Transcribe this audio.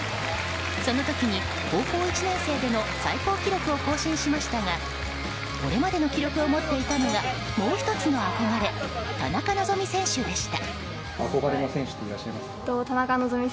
その時に高校１年生での最高記録を更新しましたがこれまでの記録を持っていたのがもう１つの憧れ田中希実選手でした。